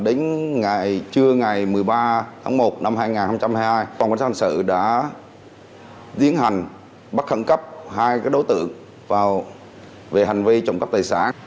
đến ngày trưa ngày một mươi ba tháng một năm hai nghìn hai mươi hai phòng cảnh sát hành sự đã tiến hành bắt khẩn cấp hai đối tượng về hành vi trộm cắp tài sản